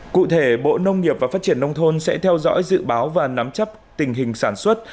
cụ thể bộ nông nghiệp và phát triển nông thôn sẽ theo dõi dự báo và nắm chấp tình hình sản xuất